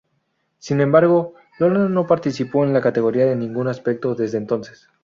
Sin embargo, Lola no participó en la categoría en ningún aspecto desde entonces.